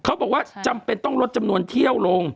บอกว่าจำเป็นต้องลดจำนวนเที่ยวลง